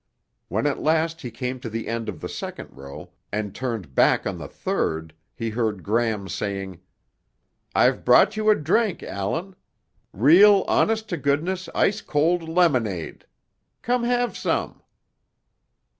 When at last he came to the end of the second row and turned back on the third, he heard Gram saying, "I've brought you a drink, Allan. Real, honest to goodness ice cold lemonade. Come have some."